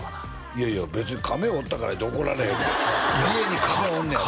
いやいや別にカメおったからって怒られへんで家にカメおんねやろ？